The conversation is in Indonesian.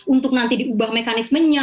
untuk nanti diubah mekanismenya